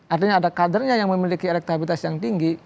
artinya ada kadernya yang memiliki elektabilitas yang tinggi